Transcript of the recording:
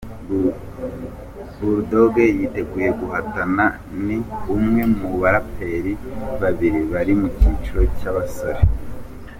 Bull Dogg yiteguye guhatana, ni umwe mu baraperi babiri bari mu cyiciro cy’abasore.